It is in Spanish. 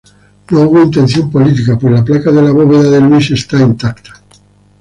No hubo intención política, pues la placa de la bóveda de Luis está intacta.